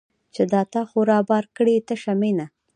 چې دا تا خو رابار کړې تشه مینه